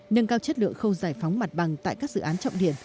nâng cao chất lượng khâu giải phóng mặt bằng tại các dự án trọng điển